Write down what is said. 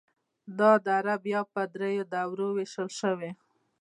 دا دره بیا په دریو درو ویشل شوي: